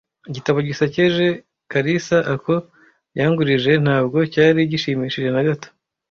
Igitabo gisekeje kalisaoko yangurije ntabwo cyari gishimishije na gato.